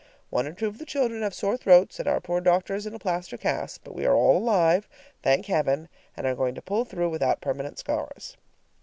One or two of the children have sore throats, and our poor doctor is in a plaster cast. But we're all alive, thank Heaven! and are going to pull through without permanent scars.